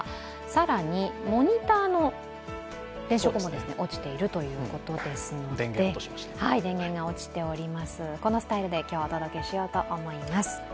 更にモニターの電飾も落ちているということですので電源が落ちております、今日はこのスタイルで今日はお届けしようと思います。